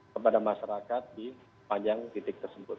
kepada masyarakat di panjang titik tersebut